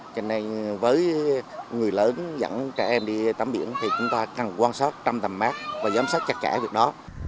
cho nên với người lớn dẫn trẻ em đi tắm biển thì chúng ta cần quan sát trong tầm mát và giám sát chặt chẽ việc đó